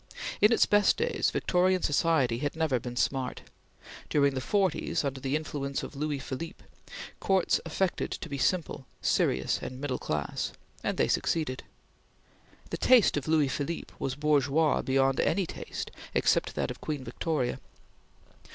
In its best days, Victorian society had never been "smart." During the forties, under the influence of Louis Philippe, Courts affected to be simple, serious and middle class; and they succeeded. The taste of Louis Philippe was bourgeois beyond any taste except that of Queen Victoria.